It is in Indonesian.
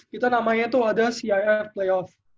kita namanya tuh ada cio